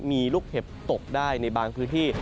มีลูกเห็บตกได้ในบางพื้นที่